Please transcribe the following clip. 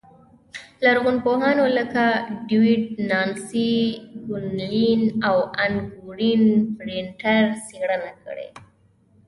لرغونپوهانو لکه ډېوېډ، نانسي ګونلین او ان کورېن فرېټر څېړنه کړې